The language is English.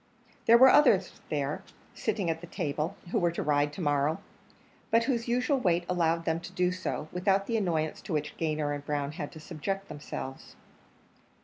There were others there, sitting at the table, who were to ride to morrow, but whose usual weight allowed them to do so, without the annoyance to which Gayner and Brown had to subject themselves.